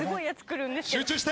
集中して！